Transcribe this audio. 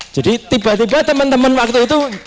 jadi tiba tiba teman teman waktu itu